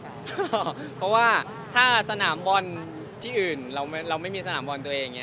เพราะว่าถ้าสนามบอลที่อื่นเราไม่มีสนามบอลตัวเองอย่างนี้